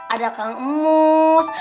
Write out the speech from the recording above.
ada kang emus